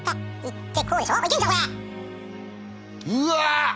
うわ！